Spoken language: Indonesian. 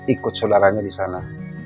ikut saudaranya di sana